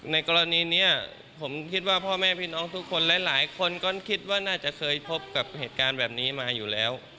ในกรณีนี้ผมคิดว่าพ่อแม่พี่น้องทุกคนหลายคนก็คิดว่าน่าจะเคยพบกับเหตุการณ์แบบนี้มาอยู่แล้ว